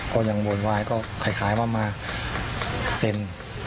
ก็ยังบวนวายก็คล้ายว่ามาเซ่น